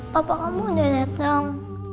papa kamu udah datang